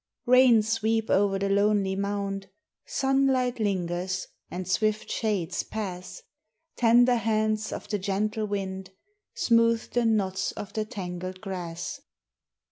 Rains weep over the lonely mound, Sunlight lingers, and swift shades pass; Tender hands of the gentle wind Smooth the knots of the tangled grass.